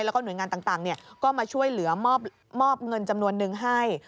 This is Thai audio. แล้วก็หน่วยงานต่างก็มาช่วยเหลือมอบเงินจำนวนนึงให้